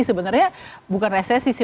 sebenarnya bukan resesi sih